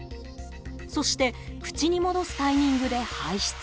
そして口に戻すタイミングで排出。